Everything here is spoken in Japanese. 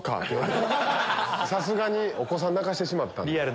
さすがにお子さん泣かしてしまったんで。